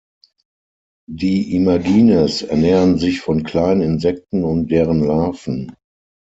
Die Imagines ernähren sich von kleinen Insekten und deren Larven.